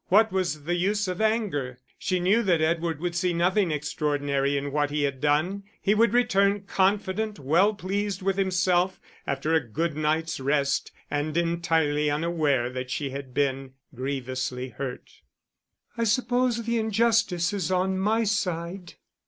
What was the use of anger? She knew that Edward would see nothing extraordinary in what he had done. He would return, confident, well pleased with himself after a good night's rest, and entirely unaware that she had been grievously hurt. "I suppose the injustice is on my side.